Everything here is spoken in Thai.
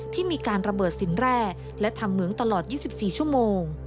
ที่มีการระเบิดสินแร่และทำเหมืองตลอด๒๔ชั่วโมง